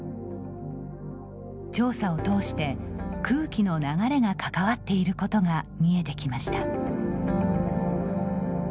調査を通して空気の流れが関わっていることが見えてきました。